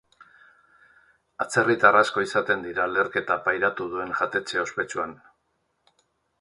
Atzerritar asko izaten dira leherketa pairatu duen jatetxe ospetsuan.